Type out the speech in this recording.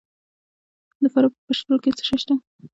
د فراه په پشترود کې څه شی شته؟